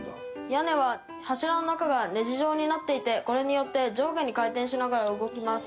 屋根は柱の中がネジ状になっていてこれによって上下に回転しながら動きます。